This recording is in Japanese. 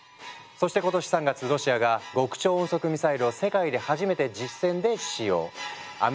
そして今年３月ロシアが極超音速ミサイルを世界で初めて実戦で使用。